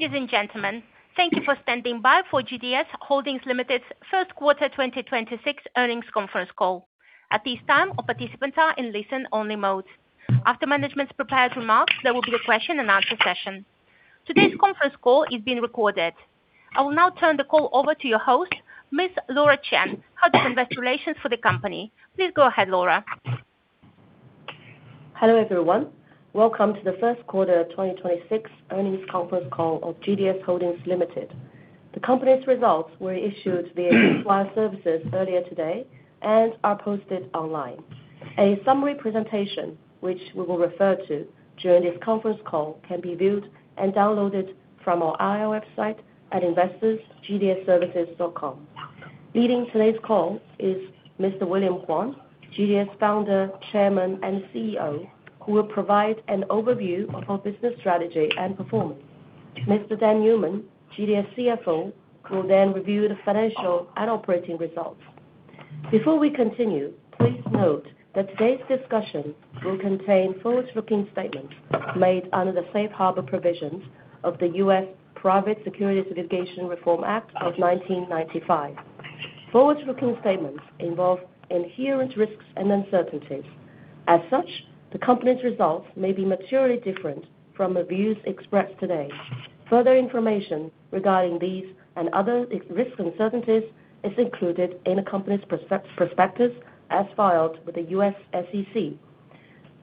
Hello, ladies and gentlemen. Thank you for standing by for GDS Holdings Ltd's first quarter 2026 earnings conference call. At this time, all participants are in listen-only mode. After management's prepared remarks, there will be a question-and-answer session. Today's conference call is being recorded. I will now turn the call over to your host, Ms. Laura Chen, Head of Investor Relations for the company. Please go ahead, Laura. Hello, everyone. Welcome to the first quarter of 2026 earnings conference call of GDS Holdings Ltd. The company's results were issued via wire services earlier today and are posted online. A summary presentation, which we will refer to during this conference call, can be viewed and downloaded from our IR website at investors.gds-services.com. Leading today's call is Mr. William Huang, GDS Founder, Chairman, and CEO, who will provide an overview of our business strategy and performance. Mr. Dan Newman, GDS CFO, will then review the financial and operating results. Before we continue, please note that today's discussion will contain forward-looking statements made under the Safe Harbor Provisions of the U.S. Private Securities Litigation Reform Act of 1995. Forward-looking statements involve inherent risks and uncertainties. As such, the company's results may be materially different from the views expressed today. Further information regarding these and other risks and uncertainties is included in the company's prospectus as filed with the U.S. SEC.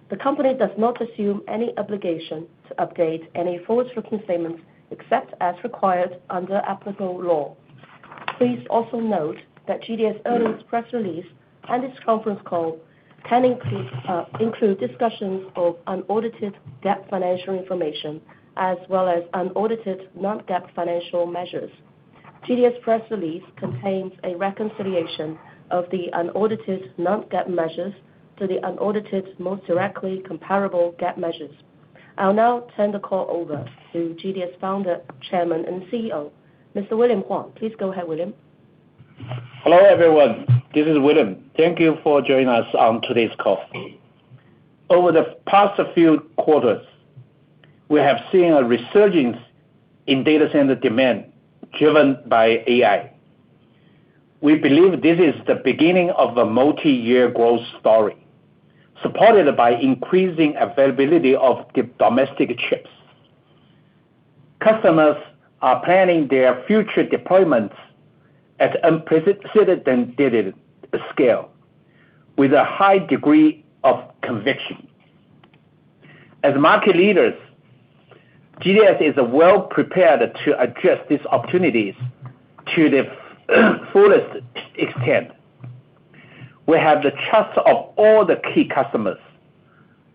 The company does not assume any obligation to update any forward-looking statements except as required under applicable law. Please also note that GDS earnings press release and this conference call can include discussions of unaudited GAAP financial information, as well as unaudited non-GAAP financial measures. GDS press release contains a reconciliation of the unaudited non-GAAP measures to the unaudited most directly comparable GAAP measures. I'll now turn the call over to GDS Founder, Chairman, and CEO, Mr. William Huang. Please go ahead, William. Hello, everyone. This is William. Thank you for joining us on today's call. Over the past few quarters, we have seen a resurgence in data center demand driven by AI. We believe this is the beginning of a multi-year growth story, supported by increasing availability of the domestic chips. Customers are planning their future deployments at unprecedented scale with a high degree of conviction. As market leaders, GDS is well-prepared to address these opportunities to the fullest extent. We have the trust of all the key customers,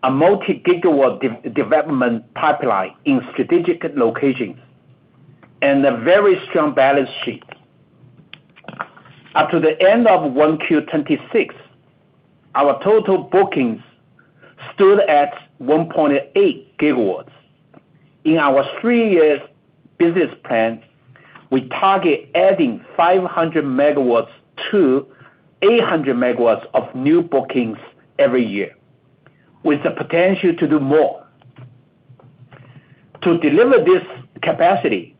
a multi-gigawatt development pipeline in strategic locations, and a very strong balance sheet. Up to the end of 1Q 2026, our total bookings stood at 1.8 GW. In our three-year business plan, we target adding 500 MW to 800 MW of new bookings every year, with the potential to do more. To deliver this capacity,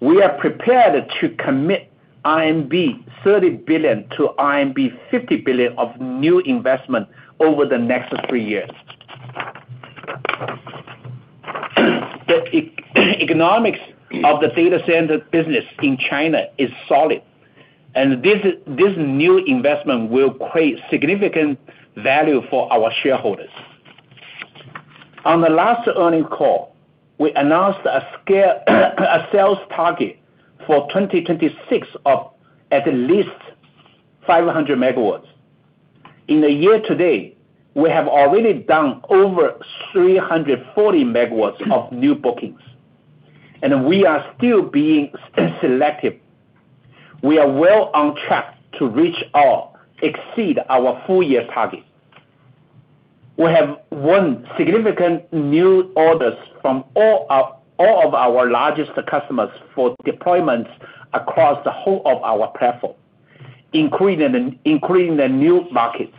we are prepared to commit 30 billion-50 billion of new investment over the next three years. The economics of the data center business in China is solid, and this new investment will create significant value for our shareholders. On the last earning call, we announced a sales target for 2026 of at least 500 MW. In the year today, we have already done over 340 MW of new bookings, and we are still being selective. We are well on track to reach or exceed our full-year target. We have won significant new orders from all of our largest customers for deployments across the whole of our platform, including the new markets.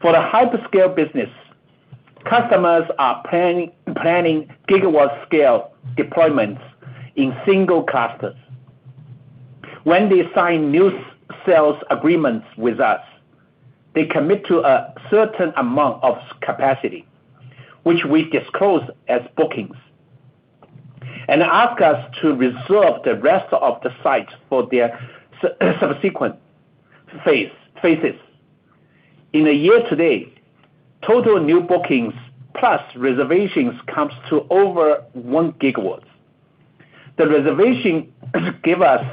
For the hyperscale business, customers are planning gigawatt scale deployments in single clusters. When they sign new sales agreements with us, they commit to a certain amount of capacity, which we disclose as bookings, and ask us to reserve the rest of the site for their subsequent phases. In the year to date, total new bookings plus reservations comes to over 1 GW. The reservation give us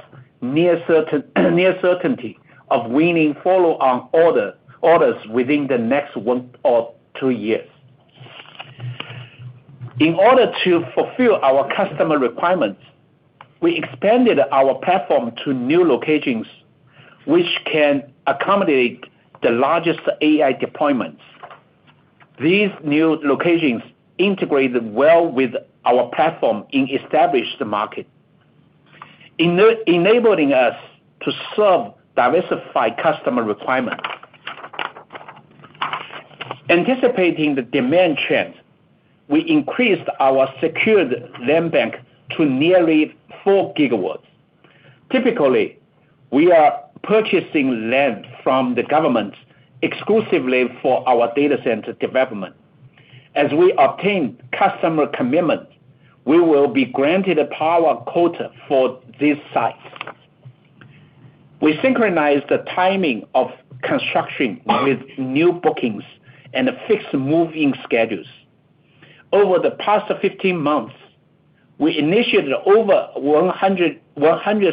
near certainty of winning follow-on orders within the next one or two years. In order to fulfill our customer requirements, we expanded our platform to new locations, which can accommodate the largest AI deployments. These new locations integrated well with our platform in established market, enabling us to serve diversified customer requirements. Anticipating the demand trends, we increased our secured land bank to nearly 4 GW. Typically, we are purchasing land from the government exclusively for our data center development. As we obtain customer commitment, we will be granted a power quota for these sites. We synchronize the timing of construction with new bookings and fixed move-in schedules. Over the past 15 months, we initiated over 100,000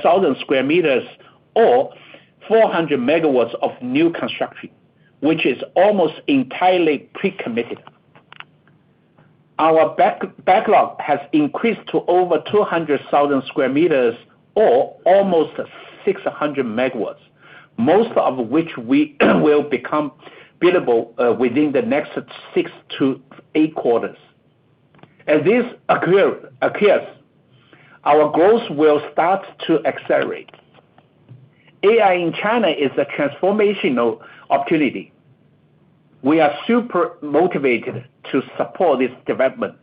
sq m or 400 MW of new construction, which is almost entirely pre-committed. Our backlog has increased to over 200,000 sq m or almost 600 MW, most of which we will become billable within the next six to eight quarters. As this occurs, our growth will start to accelerate. AI in China is a transformational opportunity. We are super motivated to support this development,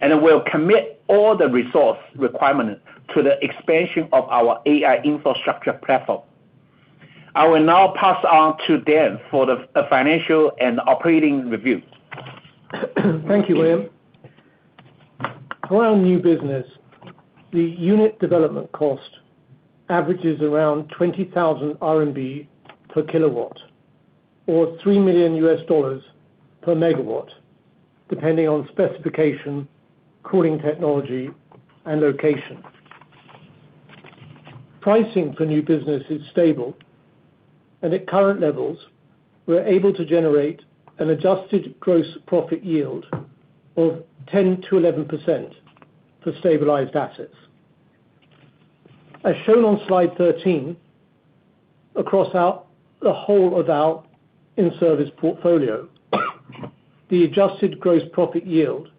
and we'll commit all the resource requirement to the expansion of our AI infrastructure platform. I will now pass on to Dan for the financial and operating review. Thank you, William. For our new business, the unit development cost averages around 20,000 RMB per kilowatt or $3 million per megawatt, depending on specification, cooling technology, and location. Pricing for new business is stable, and at current levels, we're able to generate an adjusted gross profit yield of 10%-11% for stabilized assets. As shown on slide 13, across the whole of our in-service portfolio, the adjusted gross profit yield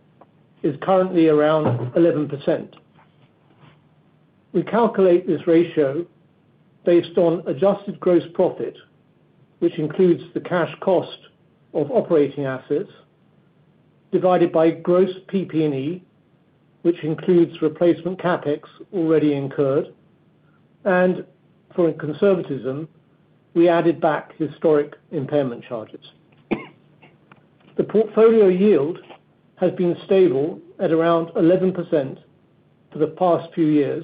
is currently around 11%. We calculate this ratio based on adjusted gross profit, which includes the cash cost of operating assets divided by gross PP&E, which includes replacement CapEx already incurred, and for conservatism, we added back historic impairment charges. The portfolio yield has been stable at around 11% for the past few years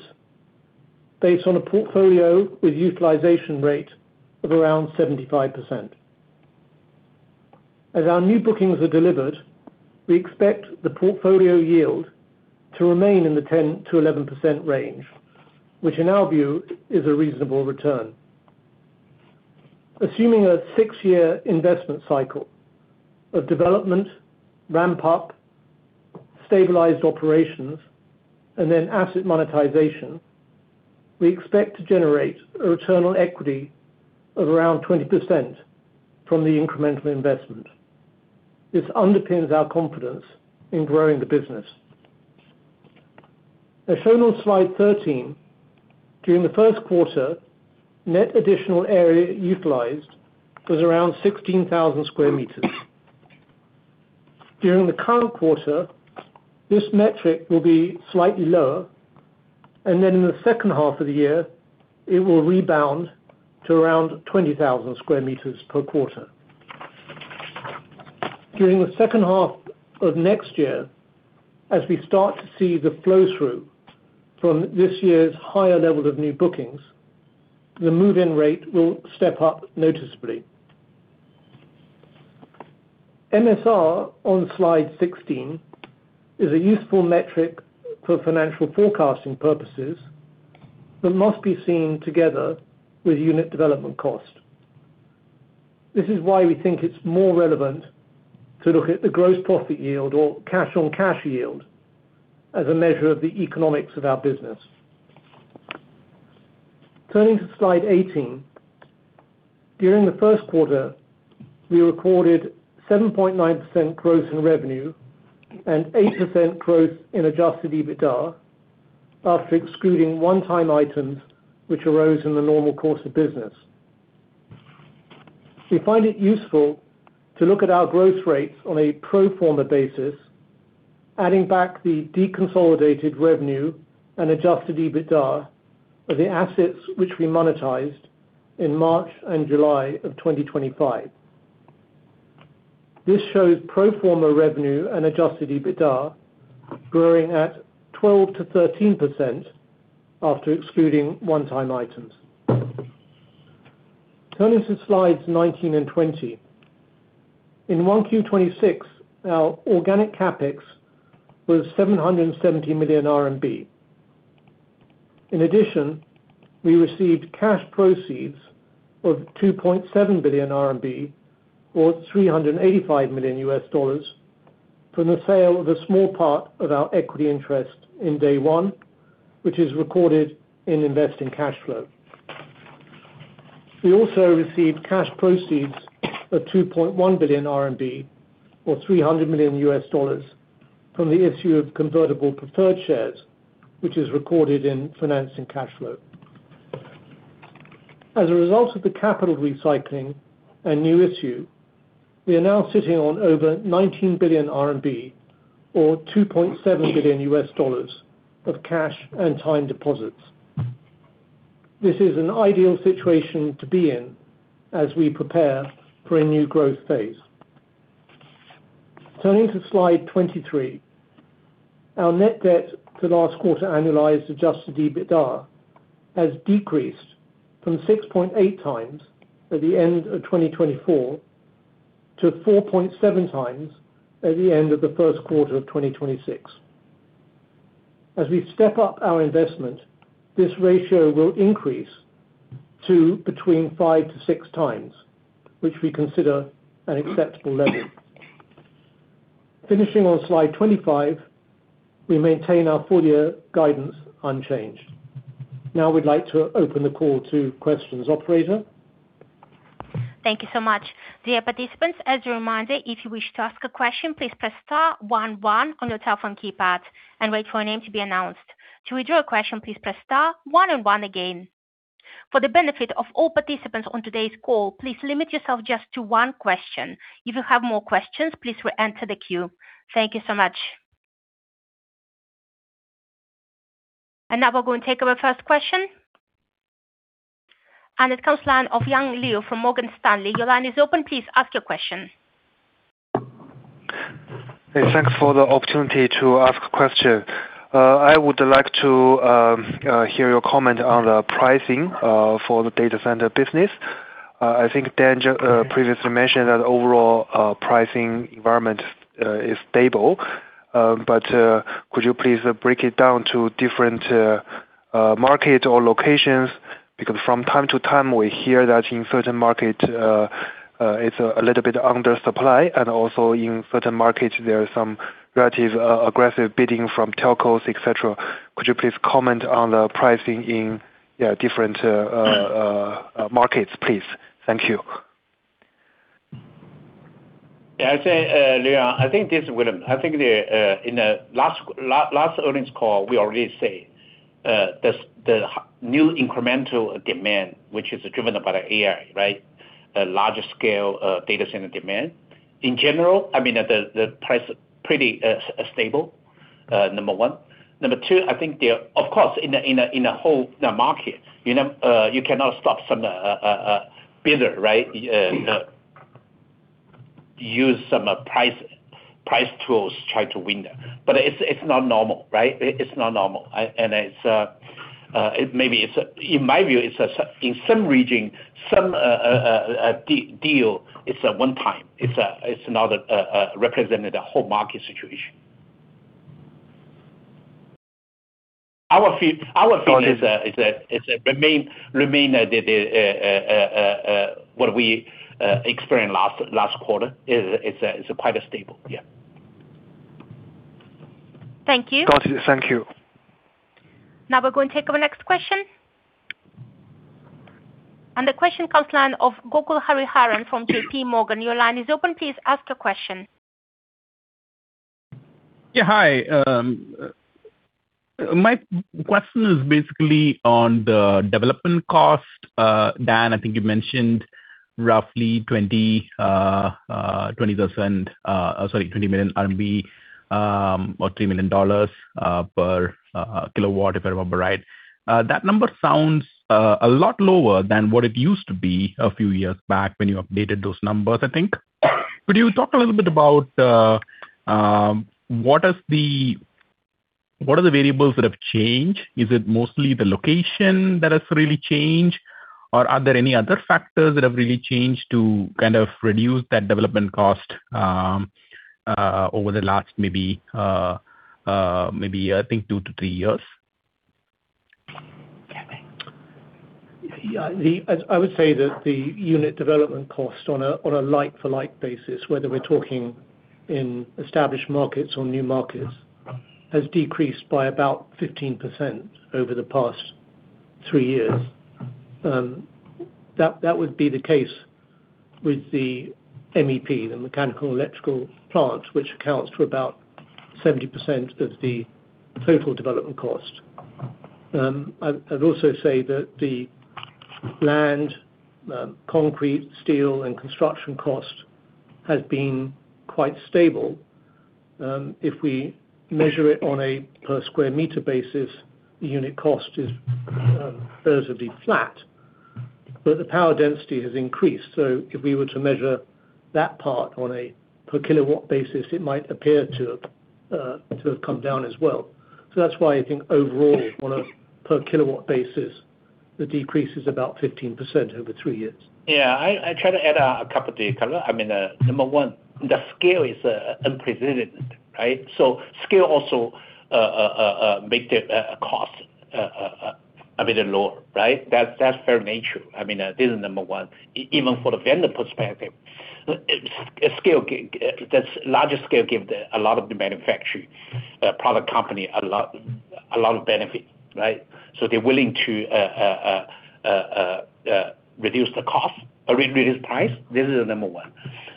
based on a portfolio with utilization rate of around 75%. As our new bookings are delivered, we expect the portfolio yield to remain in the 10%-11% range, which in our view is a reasonable return. Assuming a six-year investment cycle of development, ramp up, stabilized operations, and then asset monetization, we expect to generate a return on equity of around 20% from the incremental investment. This underpins our confidence in growing the business. As shown on slide 13, during the first quarter, net additional area utilized was around 16,000 sq m. During the current quarter, this metric will be slightly lower, and then in the second half of the year, it will rebound to around 20,000 sq m per quarter. During the second half of next year, as we start to see the flow-through from this year's higher levels of new bookings, the move-in rate will step up noticeably. MSR on slide 16 is a useful metric for financial forecasting purposes that must be seen together with unit development cost. This is why we think it's more relevant to look at the gross profit yield or cash-on-cash yield as a measure of the economics of our business. Turning to slide 18, during the first quarter, we recorded 7.9% growth in revenue and 8% growth in adjusted EBITDA after excluding one-time items which arose in the normal course of business. We find it useful to look at our growth rates on a pro forma basis, adding back the deconsolidated revenue and adjusted EBITDA of the assets which we monetized in March and July of 2025. This shows pro forma revenue and adjusted EBITDA growing at 12%-13% after excluding one-time items. Turning to slides 19 and 20. In 1Q 2026, our organic CapEx was 770 million RMB. In addition, we received cash proceeds of 2.7 billion RMB, or $385 million, from the sale of a small part of our equity interest in DayOne, which is recorded in investing cash flow. We also received cash proceeds of 2.1 billion RMB, or $300 million, from the issue of convertible preferred shares, which is recorded in financing cash flow. As a result of the capital recycling and new issue, we are now sitting on over 19 billion RMB or $2.7 billion of cash and time deposits. This is an ideal situation to be in as we prepare for a new growth phase. Turning to slide 23. Our net debt to last quarter annualized adjusted EBITDA has decreased from 6.8x at the end of 2024 to 4.7x at the end of the first quarter of 2026. As we step up our investment, this ratio will increase to between 5-6x, which we consider an acceptable level. Finishing on slide 25, we maintain our full year guidance unchanged. Now we'd like to open the call to questions. Operator? Thank you so much. Dear participants, as a reminder, if you wish to ask a question, please press star one one on your telephone keypad and wait for a name to be announced. To withdraw a question, please press star one and one again. For the benefit of all participants on today's call, please limit yourself just to one question. If you have more questions, please re-enter the queue. Thank you so much. Now we're going to take our first question. It comes line of Yang Liu from Morgan Stanley. Your line is open. Please ask your question. Hey, thanks for the opportunity to ask a question. I would like to hear your comment on the pricing for the data center business. I think Dan previously mentioned that overall pricing environment is stable. Could you please break it down to different market or locations? Because from time to time we hear that in certain market, it's a little bit under supply, and also in certain markets there are some relative aggressive bidding from telcos, et cetera. Could you please comment on the pricing in different markets, please? Thank you. Yeah, I'd say, Liu, I think this will, I think the in the last earnings call we already say the new incremental demand which is driven by the AI, right. The larger scale data center demand. In general, I mean, the price pretty stable, number one. Number two, I think there, of course, in a whole, the market, you know, you cannot stop some bidder, right. Use some price tools to try to win that. It's not normal, right. It's not normal. It's, it maybe it's, in my view, it's a in some region, some deal, it's a one time. It's a, it's not a represented a whole market situation. Our fee is a remain the what we experienced last quarter. Is a quite a stable. Yeah. Thank you. Got it. Thank you. Now we're going to take our next question. The question comes line of Gokul Hariharan from JPMorgan. Your line is open. Please ask your question. Hi. My question is basically on the development cost. Dan, I think you mentioned roughly 20 million RMB, or $3 million per kilowatt, if I remember right. That number sounds a lot lower than what it used to be a few years back when you updated those numbers, I think. Could you talk a little bit about what are the variables that have changed? Is it mostly the location that has really changed, or are there any other factors that have really changed to kind of reduce that development cost over the last maybe, I think two to three years? I would say that the unit development cost on a like for like basis, whether we're talking in established markets or new markets, has decreased by about 15% over the past three years. That would be the case with the MEP, the Mechanical Electrical Plant, which accounts for about 70% of the total development cost. I'd also say that the land, concrete, steel and construction cost has been quite stable. If we measure it on a per sq m basis, the unit cost is relatively flat, the power density has increased. If we were to measure that part on a per kW basis, it might appear to have come down as well. That's why I think overall, on a per kilowatt basis, the decrease is about 15% over three years. Yeah. I try to add a couple thing. I mean, number one, the scale is unprecedented, right? Scale also make the cost a bit lower, right? That's fair nature. I mean, this is number one. Even for the vendor perspective, that's larger scale give the, a lot of the manufacturing product company a lot of benefit, right? They're willing to reduce the cost or reduce price. This is number one.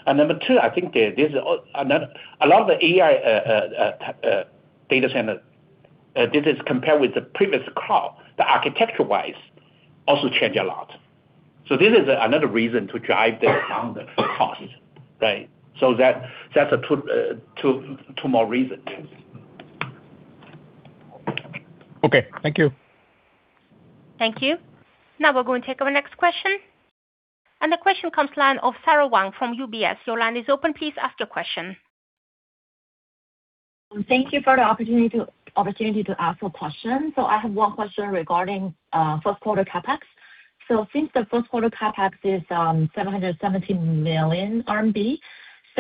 Number two, I think there's another lot of the AI data center. This is compared with the previous cloud. The architecture-wise also change a lot. This is another reason to drive down the costs, right? That's two more reasons. Okay. Thank you. Thank you. Now we're going to take our next question. The question comes line of Sara Wang from UBS. Your line is open. Please ask your question. Thank you for the opportunity to ask a question. I have one question regarding first quarter CapEx. Since the first quarter CapEx is 770 million RMB,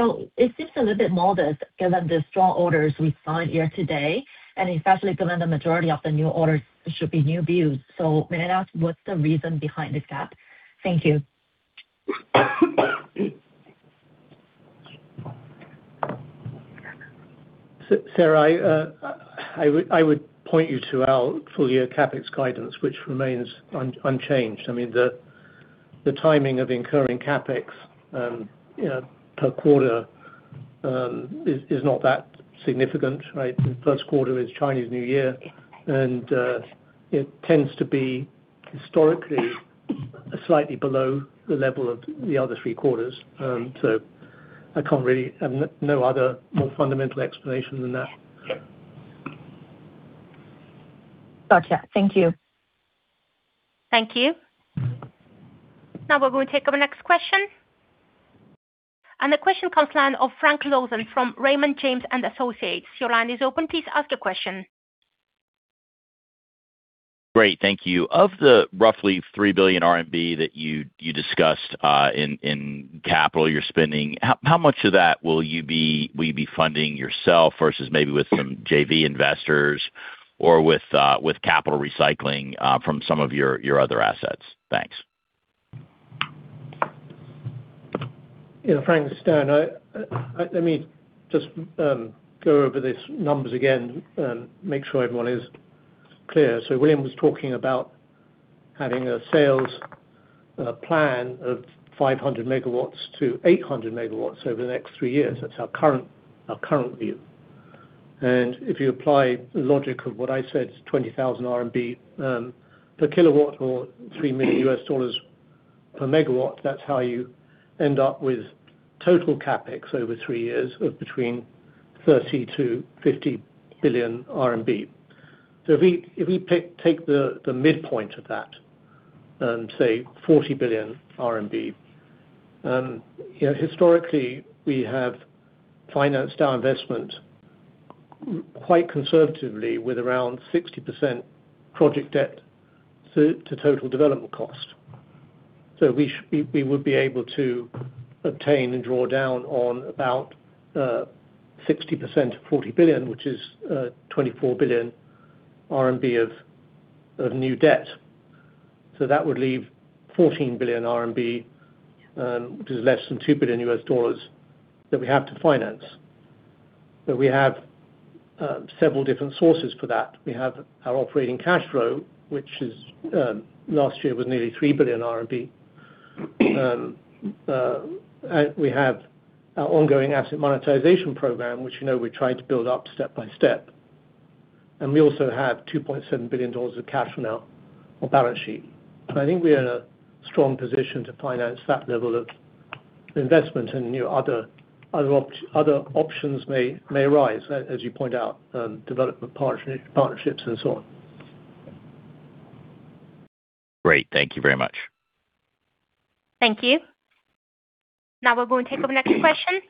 it seems a little bit modest given the strong orders we saw in year to date. Especially given the majority of the new orders should be new builds. May I ask what's the reason behind this gap? Thank you. Sara, I would point you to our full year CapEx guidance, which remains unchanged. I mean, the timing of incurring CapEx, you know, per quarter, is not that significant, right? The first quarter is Chinese New Year, it tends to be historically slightly below the level of the other three quarters. No other more fundamental explanation than that. Gotcha. Thank you. Thank you. Now we're going to take our next question. The question comes line of Frank Louthan from Raymond James & Associates. Your line is open. Please ask your question. Great. Thank you. Of the roughly 3 billion RMB that you discussed in capital you're spending, how much of that will you be funding yourself versus maybe with some JV investors or with capital recycling from some of your other assets? Thanks. Yeah, Frank, it's Dan. Let me just go over these numbers again and make sure everyone is clear. William was talking about having a sales plan of 500 MW to 800 MW over the next three years. That's our current view. If you apply the logic of what I said, 20,000 RMB per kilowatt or $3 million per megawatt, that's how you end up with total CapEx over three years of between 30 billion-50 billion RMB. If we take the midpoint of that and say 40 billion RMB, you know, historically we have financed our investment quite conservatively with around 60% project debt to total development cost. We would be able to obtain and draw down on about 60% of 40 billion, which is 24 billion RMB of new debt. That would leave 14 billion RMB, which is less than $2 billion that we have to finance. We have several different sources for that. We have our operating cash flow, which is last year was nearly 3 billion RMB. We have our ongoing asset monetization program, which, you know, we're trying to build up step by step. We also have RMB 2.7 billion of cash on our balance sheet. I think we are in a strong position to finance that level of investment and new other options may arise, as you point out, development partnerships and so on. Great. Thank you very much. Thank you. Now we're going to take our next question.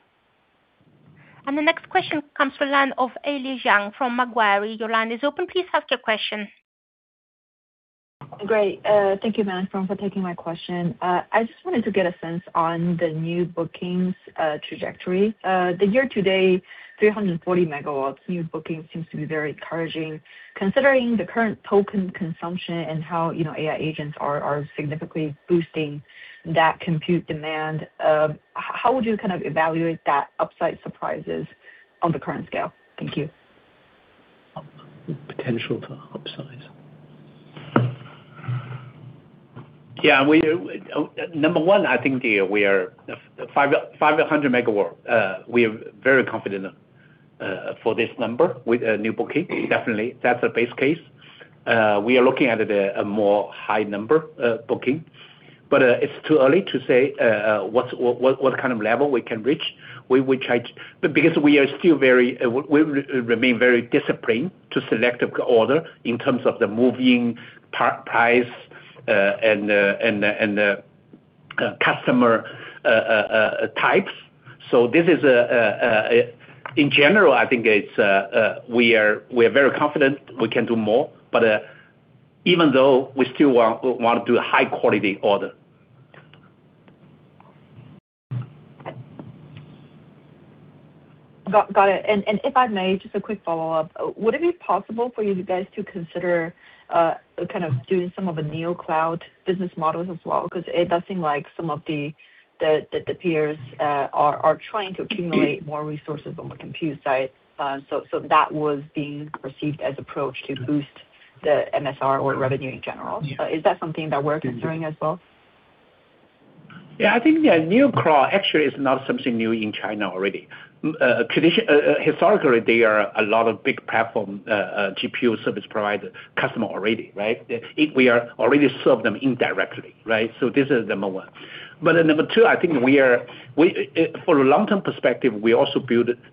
The next question comes from line of Ellie Jiang from Macquarie. Your line is open. Please ask your question. Great. Thank you, madam, for taking my question. I just wanted to get a sense on the new bookings trajectory. The year-to-date 340 MW new bookings seems to be very encouraging. Considering the current token consumption and how, you know, AI agents are significantly boosting that compute demand, how would you kind of evaluate that upside surprises on the current scale? Thank you. Potential to upsize. Yeah. We, number one, I think we are 500 MW, we are very confident for this number with a new booking. Definitely. That's a base case. We are looking at it a more high number booking, it's too early to say what kind of level we can reach. We try to because we are still very, we remain very disciplined to select order in terms of the moving price, and the customer types. This is in general, I think it's, we are very confident we can do more. Even though we still want to do a high quality order. Got it. If I may, just a quick follow-up. Would it be possible for you guys to consider, kind of doing some of the neocloud business models as well? 'Cause it does seem like some of the peers are trying to accumulate more resources on the compute side. That was being perceived as approach to boost the MSR or revenue in general. Is that something that we're considering as well? Yeah, I think, yeah, neocloud actually is not something new in China already. Historically, they are a lot of big platform, GPU service provider customer already, right? We are already serve them indirectly, right? This is number one. Number two, I think We, for a long-term perspective, we also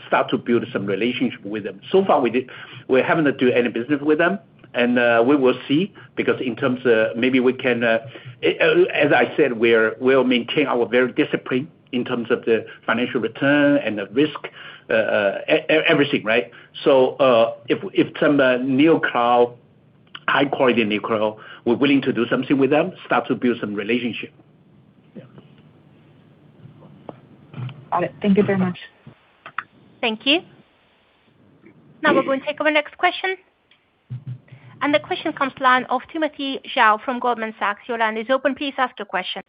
start to build some relationship with them. Far we haven't do any business with them, and we will see, because in terms of maybe we can. As I said, we'll maintain our very discipline in terms of the financial return and the risk, everything, right? If some neocloud, high quality neocloud, we're willing to do something with them, start to build some relationship. Yeah. Got it. Thank you very much. Thank you. Now we're going to take our next question. The question comes line of Timothy Zhao from Goldman Sachs. Your line is open. Please ask your question.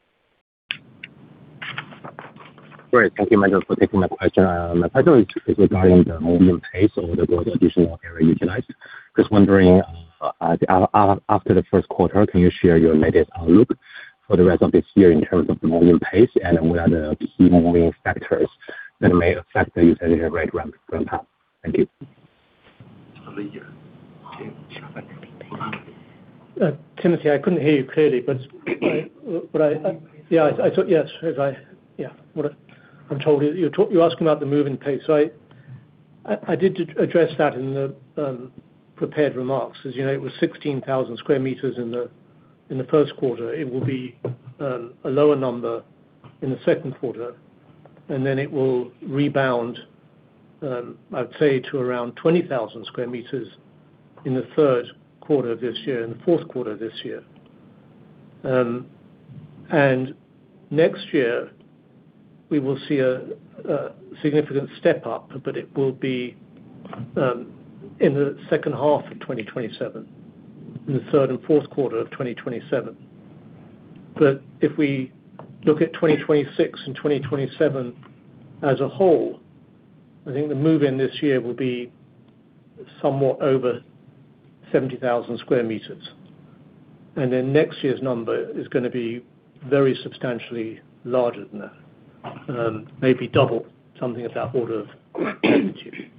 Great. Thank you, gentlemen, for taking my question. My question is regarding the movement pace over the world traditional area utilized. Just wondering, after the first quarter, can you share your immediate outlook for the rest of this year in terms of moving pace and what are the key moving factors that may affect the user rate ramp up? Thank you. Timothy, I couldn't hear you clearly, but what I'm told you're asking about the moving pace, right? I did address that in the prepared remarks. As you know, it was 16,000 sq m in the first quarter. It will be a lower number in the second quarter, and then it will rebound, I'd say to around 20,000 sq m in the third quarter of this year and the fourth quarter of this year. Next year we will see a significant step up, but it will be in the second half of 2027, in the third and fourth quarter of 2027. If we look at 2026 and 2027 as a whole, I think the move-in this year will be somewhat over 70,000 sq m. Next year's number is gonna be very substantially larger than that. Maybe double something of that order of magnitude.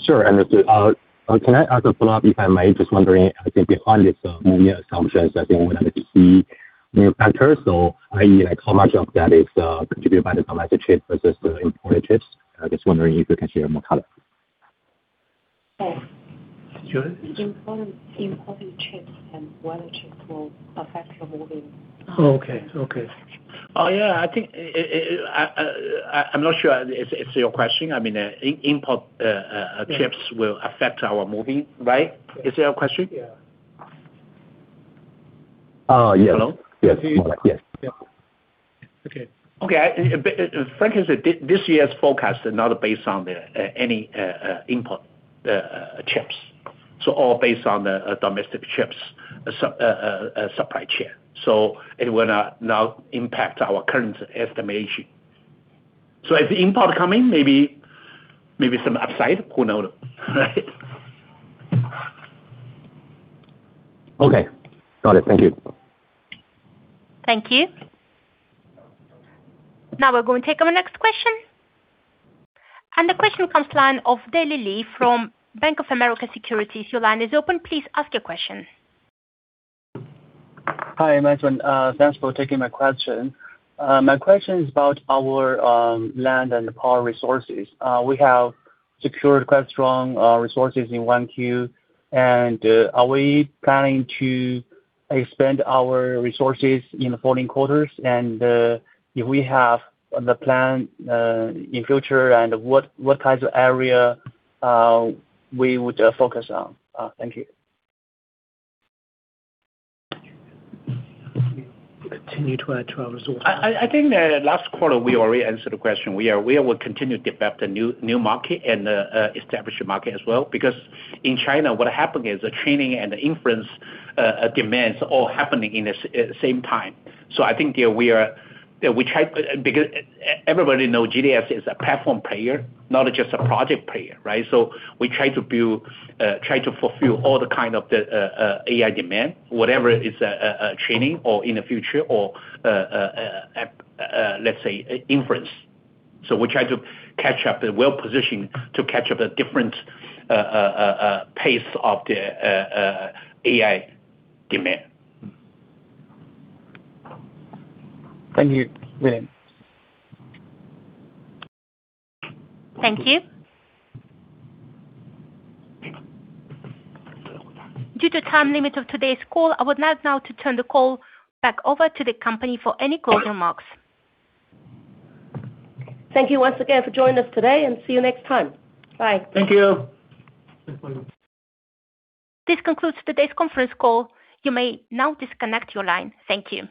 Sure. Understood. Can I ask a follow-up if I may? Just wondering, I think behind it, your assumptions, I think we'd like to see new factors. I.e., how much of that is contributed by the domestic chips versus the imported chips. I'm just wondering if you can share more color. Sure.. Imported chips and foreign chips will affect the moving. Oh, okay. Okay. Oh, yeah. I think, I'm not sure it's your question. I mean, import chips will affect our moving, right? Is that your question? Yeah. Yes. Hello? Yes. Yeah. Okay. Okay. Frankly said, this year's forecast are not based on any import chips. All based on the domestic chips supply chain. It will not impact our current estimation. If the import coming, maybe some upside, who knows, right? Okay. Got it. Thank you. Thank you. Now we're going to take our next question. The question comes line of Daley Li from Bank of America Securities. Your line is open. Please ask your question. Hi. [inaudible] Thanks for taking my question. My question is about our land and power resources. We have secured quite strong resources in 1Q. Are we planning to expand our resources in the following quarters? If we have the plan in future, what types of area we would focus on? Thank you. Continue to add to our resources. I think that last quarter we already answered the question. We will continue to develop the new market and establish a market as well. In China what happened is the training and the inference demands all happening in the same time. I think we try because everybody know GDS is a platform player, not just a project player, right? We try to build, try to fulfill all the kind of the AI demand, whatever is training or in the future or, let's say inference. We try to catch up. We're well-positioned to catch up the different pace of the AI demand. Thank you. Yeah. Thank you. Due to time limit of today's call, I would like now to turn the call back over to the company for any closing remarks. Thank you once again for joining us today, and see you next time. Bye. Thank you. This concludes today's conference call. You may now disconnect your line. Thank you.